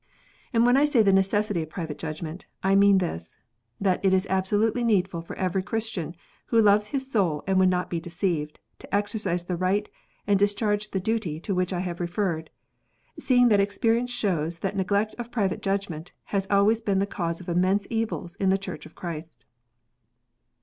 And when I say the necessity of private judgment, I mean this, that it is absolutely needful for every Christian who loves his soul and would not be deceived, to exercise the right, and discharge the duty to which I have referred ; seeing that experience shows that the neglect of private judgment has always been the cause of immense evils in the Church of Christ.